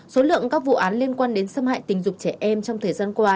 số lượng các vụ án liên quan đến xâm hại tình dục trẻ em trong thời gian qua